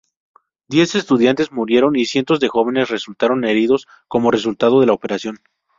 Diez estudiantes murieron y cientos de jóvenes resultaron heridos como resultado de la operación.